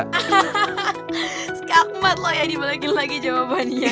hahaha skagmat lo ya dibelakin lagi jawabannya